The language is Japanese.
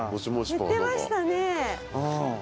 言ってましたね。